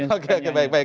oke baik baik